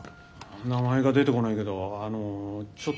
名前が出てこないけどあのちょっとイケメンの。